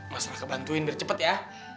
mas raka bantuin bercepet ya